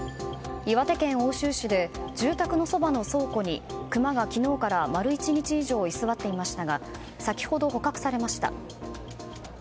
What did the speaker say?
岩手県奥州市で住宅のそばの倉庫にクマが、昨日から丸１日以上、居座っていましたが先ほど、捕獲されました。